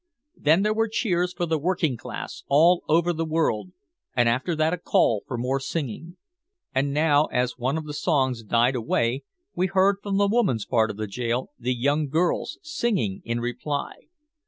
Then there were cheers for the working class all over the world, and after that a call for more singing. And now, as one of the songs died away, we heard from the woman's part of the jail the young girls singing in reply.